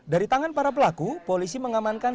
dari tangan para pelaku polisi mengamankan